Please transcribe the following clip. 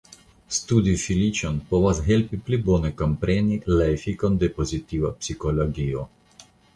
Studi feliĉon povas helpi pli bone kompreni la efikon de pozitiva psikologio.